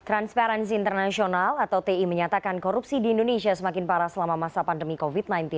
transparency international atau ti menyatakan korupsi di indonesia semakin parah selama masa pandemi covid sembilan belas